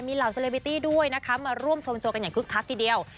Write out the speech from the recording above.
เหล่าเซเลบิตี้ด้วยนะคะมาร่วมชมโชว์กันอย่างคึกคักทีเดียว